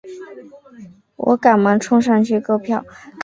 我赶忙冲上去购票